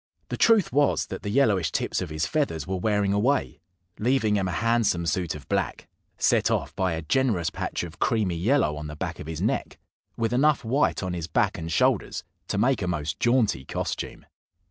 The truth was that the yellowish tips of his feathers were wearing away, leaving him a handsome suit of black, set off by a generous patch of creamy yellow on the back of his neck, with enough white on his back and shoulders to make a most jaunty costume.